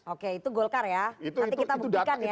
oke itu golkar ya nanti kita buktikan ya